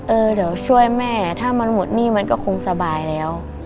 เออเดี๋ยวช่วยแม่ถ้ามันหมดหนี้มันก็คงสบายแล้ว